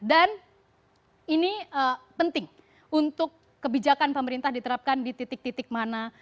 dan ini penting untuk kebijakan pemerintah diterapkan di titik titik mana